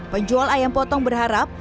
penjual ayam potong berharap